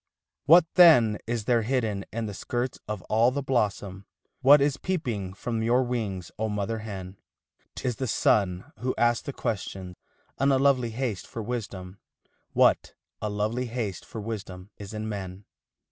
What then is there hidden in the skirts of all the blossom, What is peeping from your wings, oh mother hen? 'T is the sun who asks the question, in a lovely haste for wisdom What a lovely haste for wisdom is in men?